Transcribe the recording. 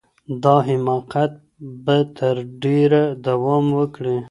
دا حماقت به تر ډیره دوام وکړي.